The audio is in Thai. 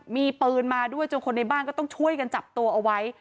มีปืนมาด้วยจนคนในบ้านก็ต้องช่วยกันจับตัวเอาไว้